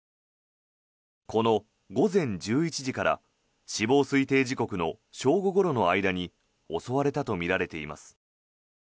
この午前１１時から死亡推定時刻の正午ごろの間に襲われたとみられています。